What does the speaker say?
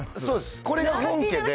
これが本家で。